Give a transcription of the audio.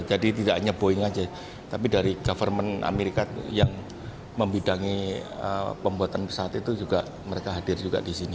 jadi tidak hanya boeing saja tapi dari government amerika yang membidangi pembuatan pesawat itu juga mereka hadir juga di sini